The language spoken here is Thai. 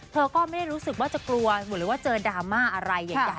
เธอก็ไม่ได้รู้สึกว่าจะกลัวหรือว่าเจอดราม่าอะไรใหญ่